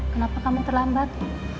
kenapa kamu terlambat